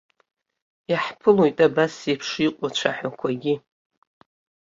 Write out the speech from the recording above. Иаҳԥылоит абас еиԥш иҟоу ацәаҳәақәагьы.